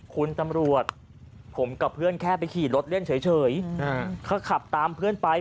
คุณตำรวจผมกับเพื่อนแค่ไปขี่รถเล่นเฉยเขาขับตามเพื่อนไป